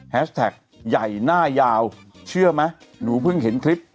แท็กใหญ่หน้ายาวเชื่อไหมหนูเพิ่งเห็นคลิป